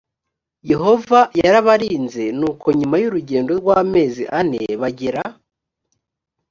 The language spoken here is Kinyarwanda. yehova yarabarinze nuko nyuma y urugendo rw amezi ane bagera